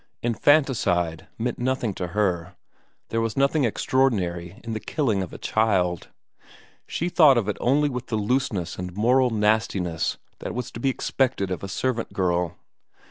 Infanticide meant nothing to her, there was nothing extraordinary in the killing of a child; she thought of it only with the looseness and moral nastiness that was to be expected of a servant girl.